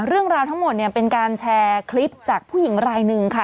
เรื่องราวทั้งหมดเนี่ยเป็นการแชร์คลิปจากผู้หญิงรายหนึ่งค่ะ